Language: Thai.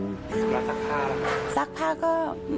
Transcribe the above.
แล้วซักผ้าละครับ